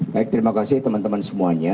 baik terima kasih teman teman semuanya